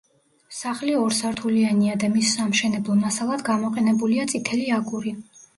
სახლი ორსართულიანია და მის სამშენებლო მასალად გამოყენებულია წითელი აგური.